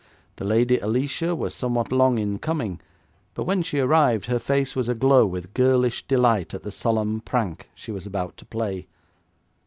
The Lady Alicia was somewhat long in coming, but when she arrived her face was aglow with girlish delight at the solemn prank she was about to play.